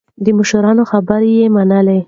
د مشرانو خبره يې منله.